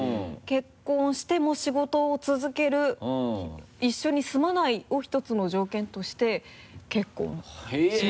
「結婚しても仕事を続ける」「一緒に住まない」を１つの条件として結婚します。